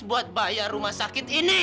buat bayar rumah sakit ini